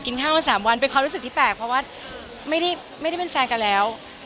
ข้าวมา๓วันเป็นความรู้สึกที่แปลกเพราะว่าไม่ได้เป็นแฟนกันแล้ว